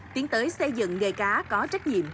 tiến tới xây dựng nghề cá có trách nhiệm